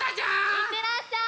いってらっしゃい！